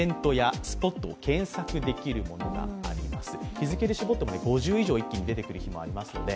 日付で絞っても５０以上一気に出てくる日もあるので、